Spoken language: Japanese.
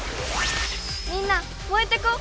みんな燃えてこ！